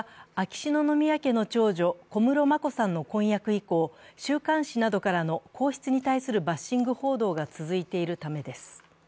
設置の背景は、秋篠宮家の長女、小室眞子さんの婚約以降、週刊誌などからの皇室に対するバッシング報道が続いているためです。